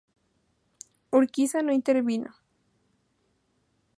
Urquiza no intervino.